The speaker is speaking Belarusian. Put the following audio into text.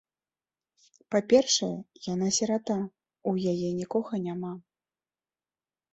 Па-першае, яна сірата, у яе нікога няма.